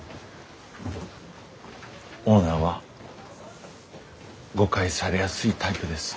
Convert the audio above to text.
オーナーは誤解されやすいタイプです。